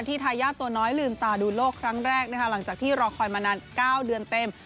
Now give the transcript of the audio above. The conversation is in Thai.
ทายาทตัวน้อยลืมตาดูโลกครั้งแรกนะคะหลังจากที่รอคอยมานาน๙เดือนเต็ม